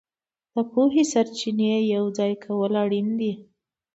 د پوهې سرچینې یوځای کول اړین دي.